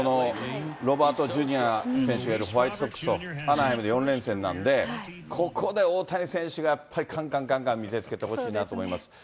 ロバートＪｒ．選手がいるホワイトソックスとアナハイムで４連戦なんで、ここでやっぱり大谷選手がやっぱりかんかんかんかん見せつけてほしいなと思います。